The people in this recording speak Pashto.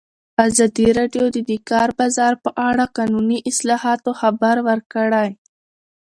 ازادي راډیو د د کار بازار په اړه د قانوني اصلاحاتو خبر ورکړی.